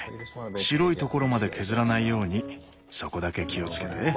白いところまで削らないようにそこだけ気を付けて。